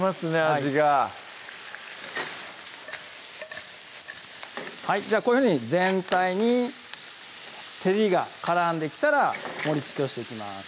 味がじゃあこういうふうに全体に照りが絡んできたら盛りつけをしていきます